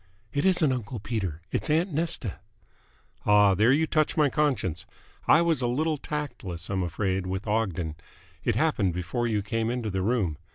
"It isn't uncle Peter. It's aunt Nesta." "Ah, there you touch my conscience. I was a little tactless, I'm afraid, with Ogden. It happened before you came into the room.